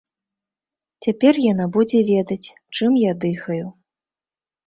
Цяпер яна будзе ведаць, чым я дыхаю.